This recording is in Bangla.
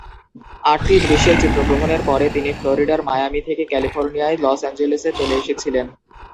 আটটি দৃশ্যের চিত্রগ্রহণের পরে তিনি ফ্লোরিডার মায়ামি থেকে ক্যালিফোর্নিয়ায় লস অ্যাঞ্জেলেসে চলে এসেছিলেন।